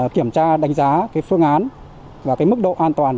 kiểm tra đánh giá phương án và mức độ an toàn